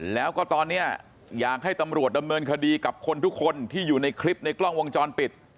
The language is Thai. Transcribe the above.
แล้วก็ตอนนี้อยากให้ตำรวจดำเนินคดีกับคนทุกคนที่อยู่ในคลิปในกล้องวงจรปิด